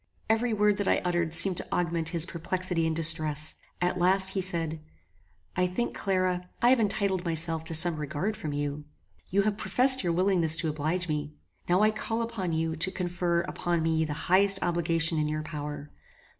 Every word that I uttered seemed to augment his perplexity and distress. At last he said, "I think, Clara, I have entitled myself to some regard from you. You have professed your willingness to oblige me. Now I call upon you to confer upon me the highest obligation in your power.